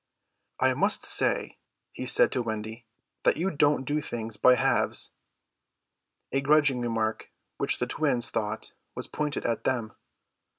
"I must say," he said to Wendy, "that you don't do things by halves," a grudging remark which the twins thought was pointed at them.